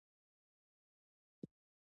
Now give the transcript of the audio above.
سلیمان غر د تاریخ په کتابونو کې دی.